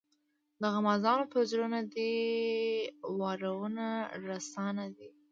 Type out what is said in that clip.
د غمازانو پر زړونو دي وارونه رسا نه دي.